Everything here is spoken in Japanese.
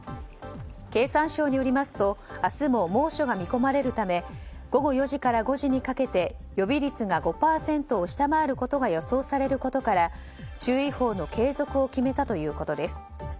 経産省によりますと明日も猛暑が見込まれるため午後４時から５時にかけて予備率が５％を下回ることが予想されることから注意報の継続を決めたということです。